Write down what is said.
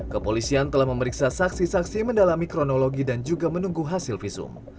kepolisian telah memeriksa saksi saksi mendalami kronologi dan juga menunggu hasil visum